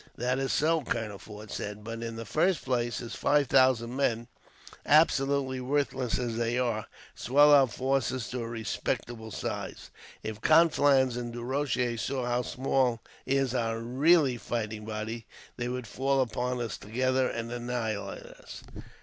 "That is so," Colonel Forde said. "But in the first place, his five thousand men, absolutely worthless as they are, swell our forces to a respectable size. If Conflans and Du Rocher saw how small is our really fighting body, they would fall upon us together, and annihilate us.